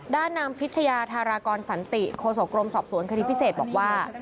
ด้านนางพิชยาธารากรสันติโคโสกรมสอบสวนคดีพิเศษบอกว่า